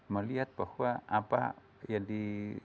melihat bahwa apa yang di